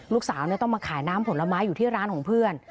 ลูกสาวต้องมาขายน้ำผลไม้อยู่ที่ร้านของเพื่อน